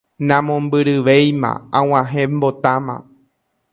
Namombyryvéima, ag̃uahẽmbotáma.